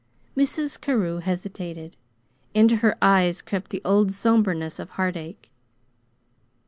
Mrs. Carew hesitated. Into her eyes crept the old somberness of heartache.